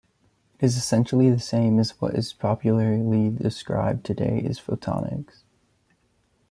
It is essentially the same as what is popularly described today as photonics.